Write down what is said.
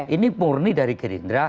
ini murni dari gerindra